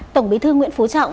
tổng bí thư nguyễn phú trọng